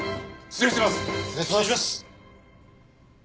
失礼します！